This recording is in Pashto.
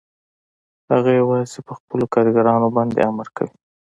هغه یوازې په خپلو کارګرانو باندې امر کوي